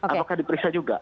apakah diperiksa juga